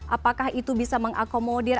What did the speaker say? apakah itu bisa mengakomodir